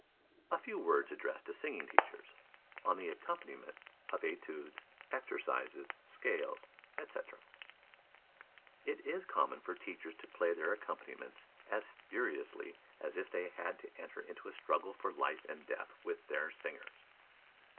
A Few Words addressed to Singing Teachers on the Accompaniment of Etudes, Exercises, Scales, &c. It is common for teachers to play their accompaniments as furiously as if they had to enter into a struggle for life and death with their singers.